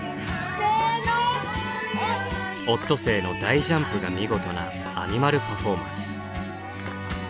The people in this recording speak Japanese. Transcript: オットセイの大ジャンプが見事なアニマルパフォーマンス。